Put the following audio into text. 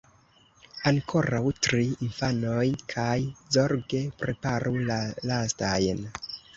Ankoraŭ tri, infanoj; kaj zorge preparu la lastajn.